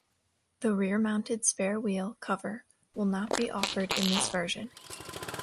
The rear-mounted spare wheel cover will not be offered in this version.